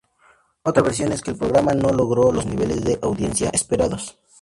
Otra versión es que el programa no logró los niveles de audiencia esperados.